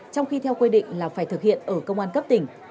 trong khi theo quy định là phải thực hiện ở công an cấp tỉnh